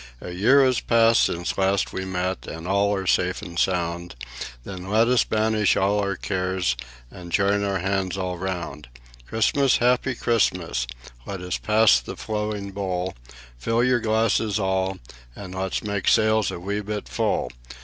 A year has passed since last we met and all are safe and sound, Then let us banish all our cares and join our hands all round. Christmas, happy Christmas! let us pass the flowing bowl, Fill your glasses all, and let's make "Sails" a wee bit full.